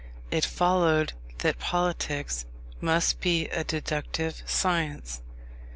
It followed that politics must be a deductive science.